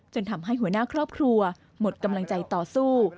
ทำให้หัวหน้าครอบครัวหมดกำลังใจต่อสู้